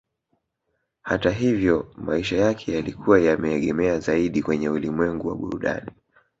Hata hivyo maisha yake yalikuwa yameegemea zaidi kwenye ulimwengu wa burudani